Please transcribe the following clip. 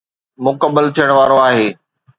مڪمل ٿيڻ وارو آهي